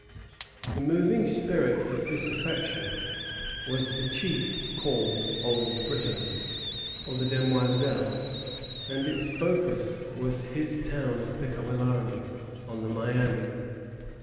The moving spirit of disaffection was the chief called Old Britain, or the Demoiselle, and its focus was his town of Pickawillany, on the Miami.